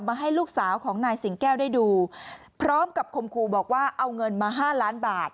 ให้ลูกสาวของนายสิงแก้วได้ดูพร้อมกับคมครูบอกว่าเอาเงินมา๕ล้านบาท